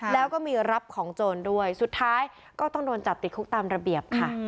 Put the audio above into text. แล้วก็มีรับของโจรด้วยสุดท้ายก็ต้องโดนจับติดคุกตามระเบียบค่ะ